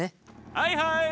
はいはい。